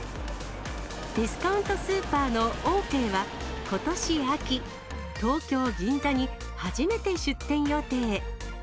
ディスカウントストアのオーケーは、ことし秋、東京・銀座に初めて出店予定。